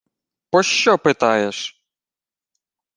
— Пощо питаєш?